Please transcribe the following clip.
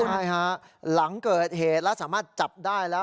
ใช่ฮะหลังเกิดเหตุแล้วสามารถจับได้แล้ว